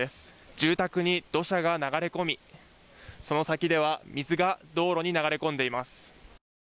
住宅に土砂が流れ込みその先では水が道路に流れ込んでいます。